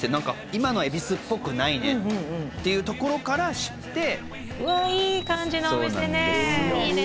今の恵比寿っぽくないねっていうところから知ってうわいい感じのお店ねそうなんですよ